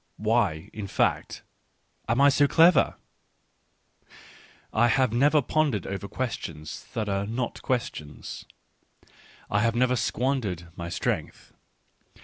Why, in fact, am I so clever ? I have never pondered over questions that are not questions. I have never squandered my strength.